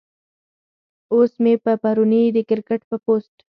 اوس مې پۀ پروني د کرکټ پۀ پوسټ